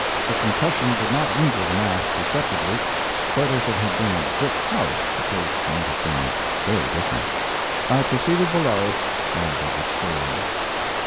The concussion did not injure the mast perceptibly, but if it had been a brick house the case might have been very different. I proceeded below, rather discouraged.